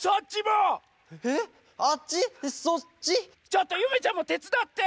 ちょっとゆめちゃんもてつだって！